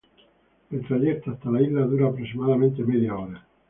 El trayecto hasta la isla dura aproximadamente media hora.